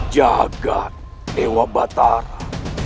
jagat dewa batara